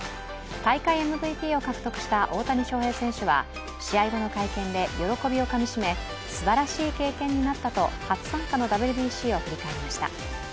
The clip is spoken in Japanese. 大会ＭＶＰを獲得した大谷翔平選手は試合後の会見で喜びをかみ締め、すばらしい経験になったと初参加のＷＢＣを振り返りました。